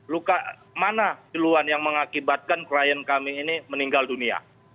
luka mana duluan yang mengakibatkan klien kami ini meninggal dunia